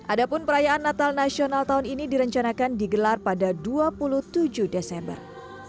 adapun perayaan natal nasional tahun ini direncanakan digelar pada dua puluh tujuh desember